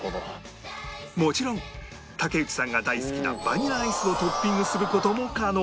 もちろん竹内さんが大好きなバニラアイスをトッピングする事も可能